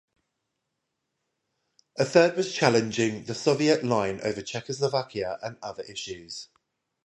A third was challenging the Soviet line over Czechoslovakia and other issues.